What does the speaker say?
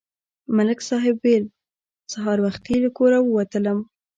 ملک صاحب ویل: سهار وختي له کوره ووتلم.